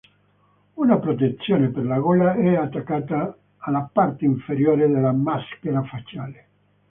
Una protezione per la gola è attaccata alla parte inferiore della maschera facciale.